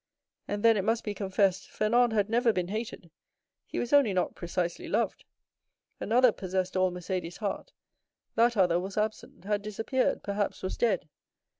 And then, it must be confessed, Fernand had never been hated—he was only not precisely loved. Another possessed all Mercédès' heart; that other was absent, had disappeared, perhaps was dead.